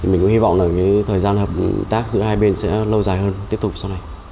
mình cũng hy vọng là thời gian hợp tác giữa hai bên sẽ lâu dài hơn tiếp tục sau này